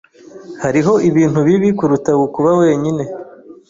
Hariho ibintu bibi kuruta kuba wenyine.